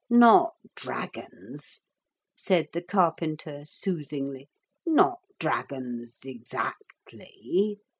'Not dragons,' said the carpenter soothingly; 'not dragons exactly.